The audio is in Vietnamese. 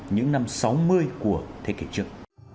những năm sáu mươi của thế kỷ trước